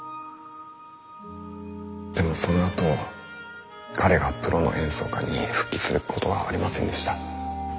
でもそのあと彼がプロの演奏家に復帰することはありませんでした。